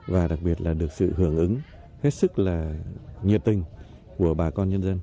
và đặc biệt là được sự hưởng ứng hết sức là nhiệt tình của bà con nhân dân